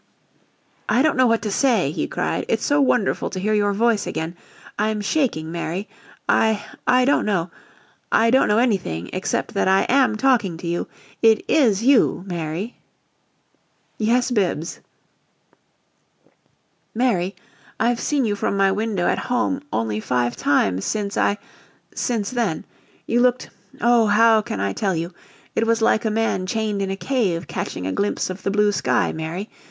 "I don't know what to say," he cried. "It's so wonderful to hear your voice again I'm shaking, Mary I I don't know I don't know anything except that I AM talking to you! It IS you Mary?" "Yes, Bibbs!" "Mary I've seen you from my window at home only five times since I since then. You looked oh, how can I tell you? It was like a man chained in a cave catching a glimpse of the blue sky, Mary.